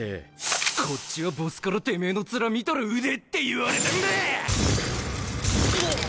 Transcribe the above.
こっちはボスからてめぇの面見たら撃てって言われてんべ‼おっ。